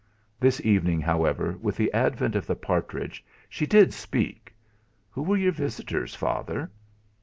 This evening, however, with the advent of the partridge she did speak. "Who were your visitors, Father?"